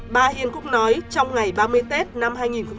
bà hiền cũng nói trong ngày ba mươi tết năm hai nghìn một mươi chín